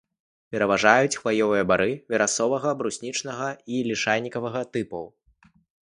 Пераважаюць хваёвыя бары верасовага, бруснічнага і лішайнікавага тыпаў.